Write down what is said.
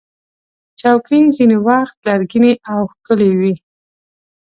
چوکۍ ځینې وخت لرګینې او ښکلې وي.